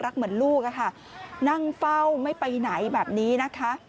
เหมือนลูกอะค่ะนั่งเฝ้าไม่ไปไหนแบบนี้นะคะ